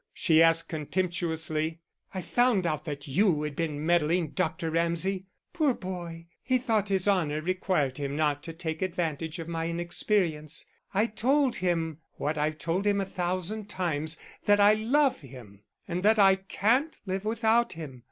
she asked, contemptuously. "I found out that you had been meddling, Dr. Ramsay. Poor boy, he thought his honour required him not to take advantage of my inexperience; I told him, what I've told him a thousand times, that I love him, and that I can't live without him....